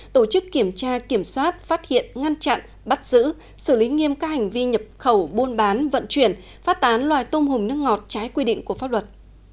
tổ chức kiểm tra kiểm soát phát hiện ngăn chặn bắt giữ xử lý nghiêm các hành vi nhập khẩu buôn bán vận chuyển phát tán loài tôm hùng nước ngọt trái quy định của pháp luật